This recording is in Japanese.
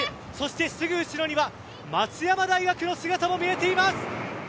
すぐ後ろには松山大学の姿も見えています。